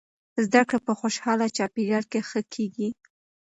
زده کړه په خوشحاله چاپیریال کې ښه کیږي.